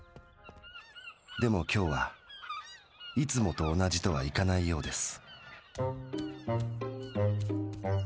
でも今日はいつもと同じとはいかないようです。